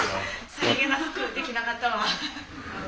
さりげなくできなかったわ。